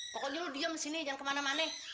pokoknya lu diam di sini jangan kemana mana